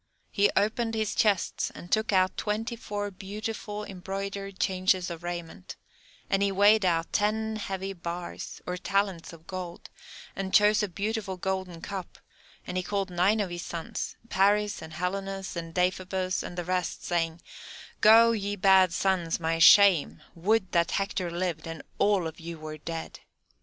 He opened his chests, and took out twenty four beautiful embroidered changes of raiment; and he weighed out ten heavy bars, or talents, of gold, and chose a beautiful golden cup, and he called nine of his sons, Paris, and Helenus, and Deiphobus, and the rest, saying, "Go, ye bad sons, my shame; would that Hector lived and all of you were dead!"